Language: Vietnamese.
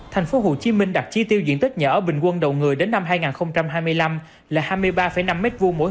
thành phố hồ chí minh đặt chi tiêu diện tích nhà ở bình quân đầu người đến năm hai nghìn hai mươi năm là hai mươi ba năm m hai mỗi